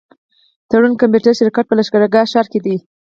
تړون کمپيوټر شرکت په لښکرګاه ښار کي دی.